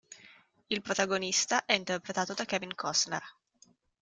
Il protagonista è interpretato da Kevin Costner.